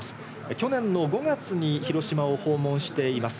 去年の５月に広島を訪問しています。